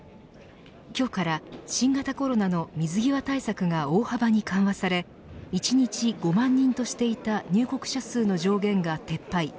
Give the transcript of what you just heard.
今日から新型コロナの水際対策が大幅に緩和され１日５万人としていた入国者数の上限が撤廃。